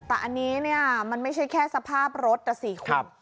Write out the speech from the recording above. แต่อันนี้เนี่ยมันไม่ใช่แค่สภาพรถแต่๔ขวบ